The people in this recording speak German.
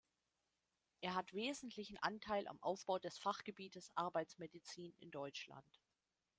Er hat wesentlichen Anteil am Aufbau des Fachgebietes Arbeitsmedizin in Deutschland.